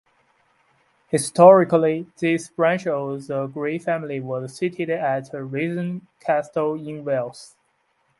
Historically, this branch of the Grey family was seated at Ruthyn Castle in Wales.